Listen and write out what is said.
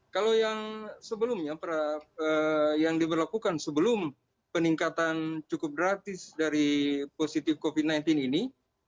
kalau yang sebelumnya yang diberlakukan sebelum peningkatan cukup gratis dari positif covid sembilan belas ini